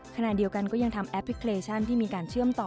ขณะเดียวกันก็ยังทำแอปพลิเคชันที่มีการเชื่อมต่อ